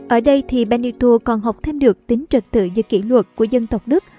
ở đây thì benito còn học thêm được tính trật tự dự kỷ luật của dân tộc đức